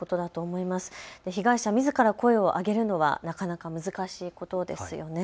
被害者みずから声を上げるのはなかなか難しいことですよね。